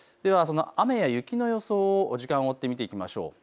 雨や雪の予想を時間を追って見ていきましょう。